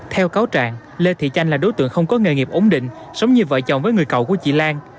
theo cáo trạng lê thị chanh là đối tượng không có nghề nghiệp ổn định sống như vợ chồng với người cậu của chị lan